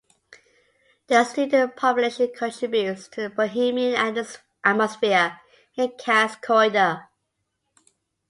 The student population contributes to the bohemian atmosphere in Cass Corridor.